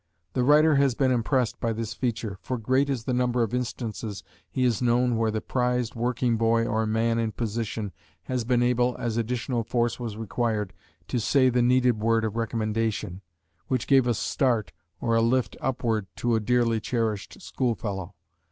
The writer has been impressed by this feature, for great is the number of instances he has known where the prized working boy or man in position has been able, as additional force was required, to say the needed word of recommendation, which gave a start or a lift upward to a dearly cherished schoolfellow.